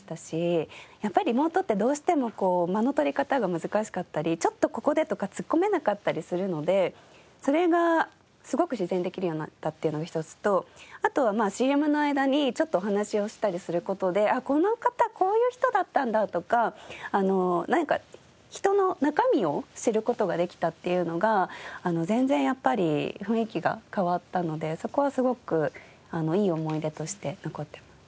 やっぱりリモートってどうしても間の取り方が難しかったり「ちょっとここで」とかツッコめなかったりするのでそれがすごく自然にできるようになったというのが１つとあとはＣＭの間にちょっとお話をしたりする事でこの方こういう人だったんだとか何か人の中身を知る事ができたっていうのが全然やっぱり雰囲気が変わったのでそこはすごくいい思い出として残ってます。